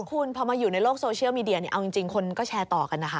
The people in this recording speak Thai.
คุณพอมาอยู่ในโลกโซเชียลมีเดียเอาจริงคนก็แชร์ต่อกันนะคะ